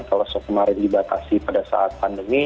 kalau kemarin dibatasi pada saat pandemi